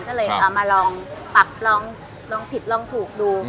ก็เลยเอามาลองปรับลองผิดลองถูกดู